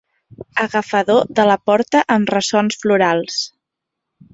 Agafador de la porta amb ressons florals.